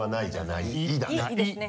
「い」ですね。